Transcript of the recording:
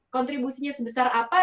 kontribusinya sebesar apa